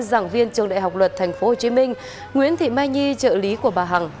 giảng viên trường đại học luật tp hcm nguyễn thị mai nhi trợ lý của bà hằng